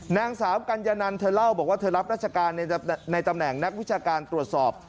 นางสาวกัญญานันเธอเล่าบอกว่าเธอรับราชการในตำแหน่งนักวิชาการตรวจสอบ